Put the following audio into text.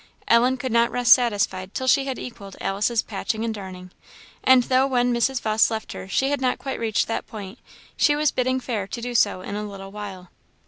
Ellen could not rest satisfied till she had equalled Alice's patching and darning; and though when Mrs. Vawse left her she had not quite reached that point, she was bidding fair to do so in a little while.